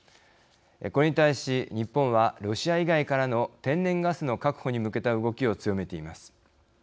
これに対し、日本はロシア以外からの天然ガスの確保に向けた動きを強めています。